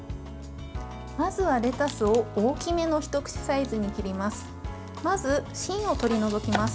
まずはレタスを大きめの一口サイズに切ります。